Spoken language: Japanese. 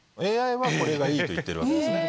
ＡＩはこれがいいと言ってるわけですね。